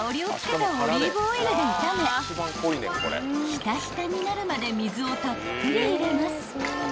［ひたひたになるまで水をたっぷり入れます］